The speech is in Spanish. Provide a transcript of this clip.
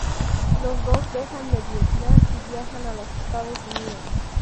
Los dos dejan de Vietnam y viajan a los Estados Unidos.